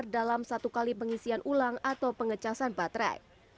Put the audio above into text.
dalam satu kali pengisian ulang atau pengecasan baterai